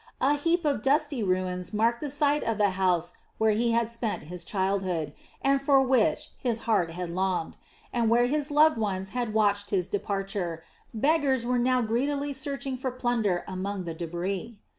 A heap of dusty ruins marked the site of the house where he had spent his childhood, and for which his heart had longed; and where his loved ones had watched his departure, beggars were now greedily searching for plunder among the debris.